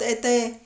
chào các bạn